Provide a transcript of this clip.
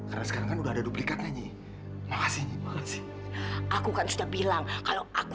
aku ngajak siapa